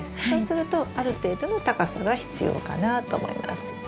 そうするとある程度の高さが必要かなと思います。